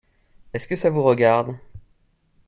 Est-ce que ça vous regarde ?